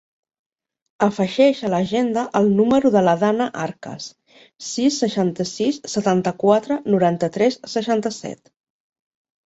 Afegeix a l'agenda el número de la Danna Arcas: sis, seixanta-sis, setanta-quatre, noranta-tres, seixanta-set.